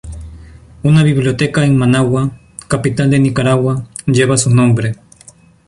Una biblioteca en Managua, capital de Nicaragua, lleva su nombre.